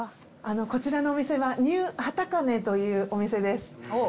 こちらのお店はニュー畠兼というお店です。